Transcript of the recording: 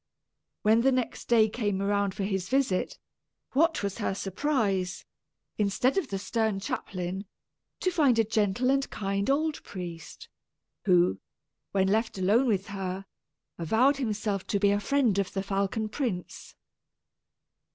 When next the day came around for his visit, what was her surprise, instead of the stern chaplain, to find a gentle and kind old priest, who, when left alone with her, avowed himself to be a friend of the falcon prince.